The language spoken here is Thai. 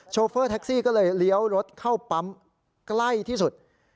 โฟเฟอร์แท็กซี่ก็เลยเลี้ยวรถเข้าปั๊มใกล้ที่สุด